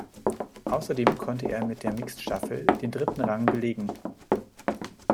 Außerdem konnte er mit der Mixed-Staffel den dritten Rang belegen.